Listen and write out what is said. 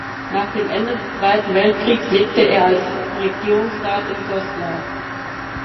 Nach dem Ende des Zweiten Weltkrieges lebte er als Regierungsrat in Goslar.